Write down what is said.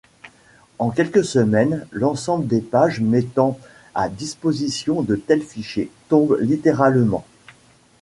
En quelques semaines, l'ensemble des pages mettant à disposition de tels fichiers tombe littéralement.